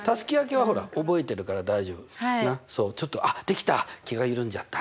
そうちょっと「あっできた」気がゆるんじゃった。